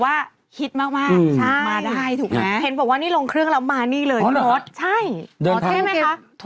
มาได้ถูกไหมเพศบอกว่านี่ลงเครื่องเรามานี่เลยรถ